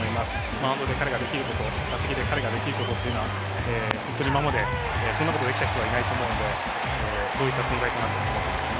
マウンドで彼ができること打席で彼ができることは本当に今までそんなことをできた人はいないと思うのでそういった存在かなと思います。